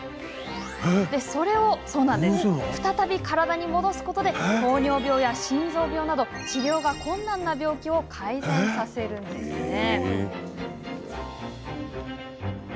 それを再び、体に戻すことで糖尿病や心臓病など治療が困難な病気を改善させるんです。